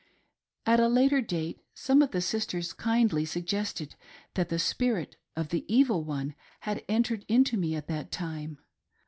At a later date, some of the sisters kindly suggested that the spirit of the Evil One had entered into me at that time.